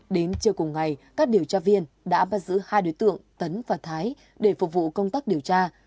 đến trưa cùng ngày các điều tra viên đã bắt giữ hai đối tượng tấn và thái để phục vụ công tác điều tra